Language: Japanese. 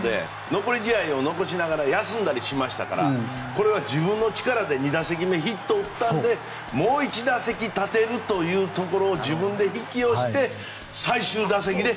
残り試合を残しながら休んだりしましたからこれは自分の力で２打席目にヒットを打ったのでもう１打席立てるというところを自分で引き寄せて最終打席で。